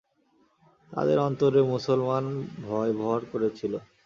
তাদের অন্তরে মুসলমান-ভয় ভর করেছিল।